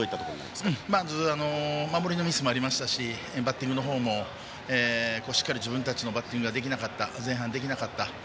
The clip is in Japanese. まずは守りのミスもありましたしバッティングのほうもしっかり自分たちのバッティングが前半できなかった。